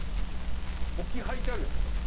置き配ってあるじゃないですか。